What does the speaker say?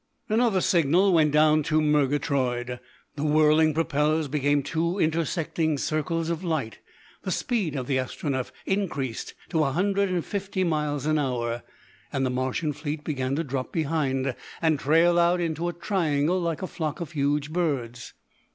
Another signal went down to Murgatroyd, the whirling propellers became two intersecting circles of light. The speed of the Astronef increased to a hundred and fifty miles an hour, and the Martian fleet began to drop behind and trail out into a triangle like a flock of huge birds.